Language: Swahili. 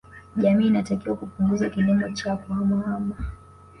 Jamii inatakiwa kupunguza kilimo cha kuhamahama